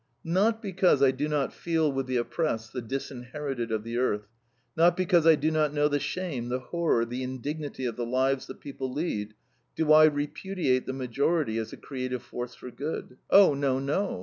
Not because I do not feel with the oppressed, the disinherited of the earth; not because I do not know the shame, the horror, the indignity of the lives the people lead, do I repudiate the majority as a creative force for good. Oh, no, no!